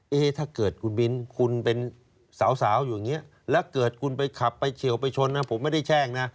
ถ้าเกิดคุณบินคุณเป็นสาวอยู่อย่างนี้แล้วเกิดคุณไปขับไปเฉียวไปชนนะผมไม่ได้แช่งนะ